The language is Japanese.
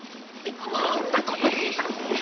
なんだこの爺さん。